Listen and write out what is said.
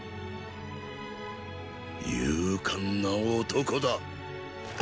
勇敢な男だ。